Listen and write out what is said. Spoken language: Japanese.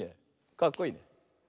かっこいいね。